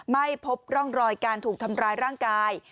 ไม่พบร่องรอยการถูกทำร้ายร่างกาย